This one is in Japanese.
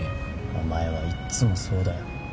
お前はいっつもそうだよ。